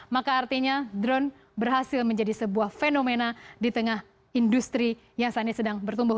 maka artinya drone berhasil menjadi sebuah fenomena di tengah industri yang saat ini sedang bertumbuh